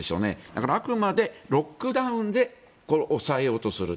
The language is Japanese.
だからあくまでロックダウンで抑えようとする。